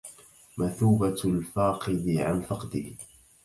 مثوبة الفاقد عن فقده